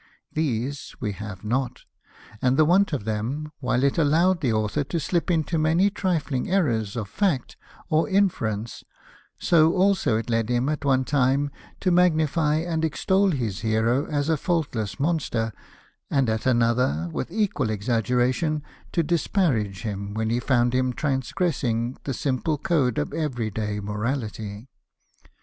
These we have not ; and the want of them, while it allowed the author to slip into many trifling errors of fact or inference, so also it led him at one time to magnify and extol his hero as a faultless monster, and at another, with equal exaggeration, to disparage him when he found him transgressing the simple code of every day morality.